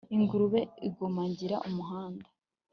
Ingurube igomagira umuhanda,